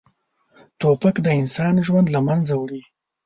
توپک د انسان ژوند له منځه وړي.